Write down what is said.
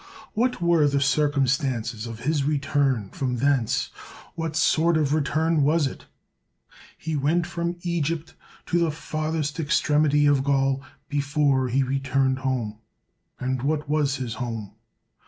What were the circumstances of his return from thence? What sort of return was it? He went from Egypt to the farthest extremity of Gaul before he returned home. And what was his home?